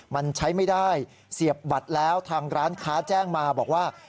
มันใช้ไม่ได้เสียบบัตรแล้วทางร้านค้าแจ้งมาบอกว่า